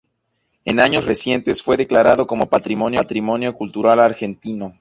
En años recientes fue declarado como Patrimonio Cultural Argentino.